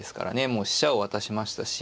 もう飛車を渡しましたし。